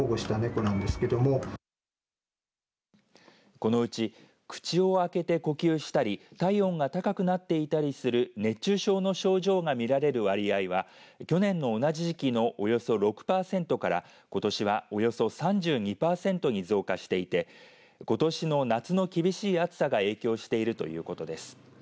このうち、口を開けて呼吸したり体温が高くなっていたりする熱中症の症状が見られる割合は去年の同じ時期のおよそ６パーセントからことしはおよそ３２パーセントに増加していてことしの夏の厳しい暑さが影響しているということです。